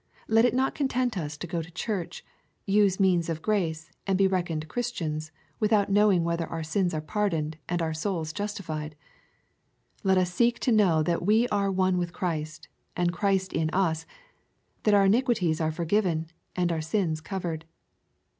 Let it not content us to go to Church, use means of grace, and be reckoned Christians, without knowing whether our sins are pardoned, and our souls justified. Let us seek to know that we are one with Christ, and Christ in us, — that our iniquities are for given, and our sins covered.